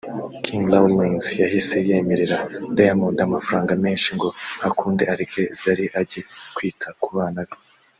King Lawrence yahise yemerera Diamond amafaranga menshi ngo akunde areke Zari ajye kwita ku bana be